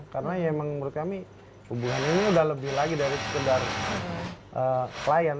karena ya emang menurut kami hubungan ini udah lebih lagi dari sekedar klien